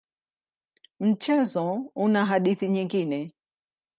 Mchezo una hadithi nyingine.